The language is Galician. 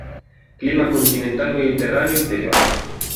Clima continental mediterráneo interior.